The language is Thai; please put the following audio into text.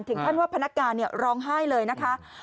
ท่านว่าพนักงานร้องไห้เลยนะคะ